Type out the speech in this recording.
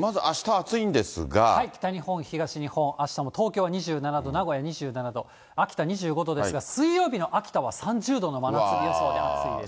まず、北日本、東日本、あしたの東京２７度、名古屋２７度、秋田２５度ですが、水曜日の秋田は３０度の真夏日予想で、暑いです。